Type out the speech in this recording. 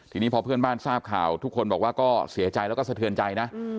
ทีนี้พอเพื่อนบ้านทราบข่าวทุกคนบอกว่าก็เสียใจแล้วก็สะเทือนใจนะ